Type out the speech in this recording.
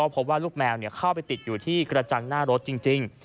พบว่าลูกแมวเข้าไปติดอยู่ที่กระจังหน้ารถจริง